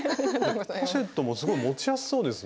ポシェットもすごい持ちやすそうですね。